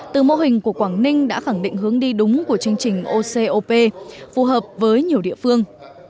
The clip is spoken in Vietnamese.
từ mô hình của quảng ninh đã khẳng định hướng đi đúng của chương trình ocop phù hợp với nhiều địa phương